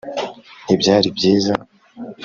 ntibyari byiza